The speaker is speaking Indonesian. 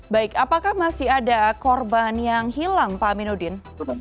baik apakah masih ada korban yang hilang pak aminuddin